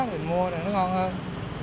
mình mua này nó ngon hơn